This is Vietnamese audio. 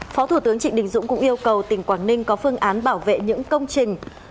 phó thủ tướng trịnh đình dũng cũng yêu cầu tỉnh quảng ninh có phương án bảo vệ những công trình